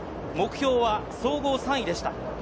目標は総合３位でした。